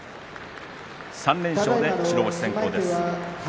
３連勝で白星先行です。